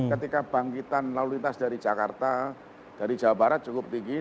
ketika bangkitan lalu lintas dari jakarta dari jawa barat cukup tinggi